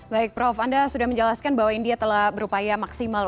baik prof anda sudah menjelaskan bahwa india telah berupaya maksimal